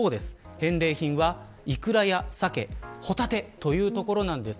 返礼品は、イクラやサケホタテというところです。